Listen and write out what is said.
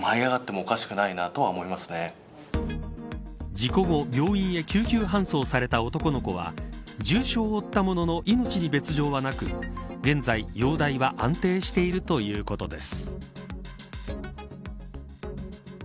事故後、病院へ救急搬送された男の子は重傷を負ったものの命に別条はなく現在、容体は安定しているということです。